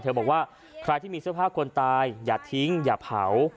บอกว่าใครที่มีเสื้อผ้าคนตายอย่าทิ้งอย่าเผา